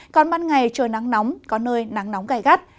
còn ban ngày trời nắng nóng có nơi nắng nóng gai gắt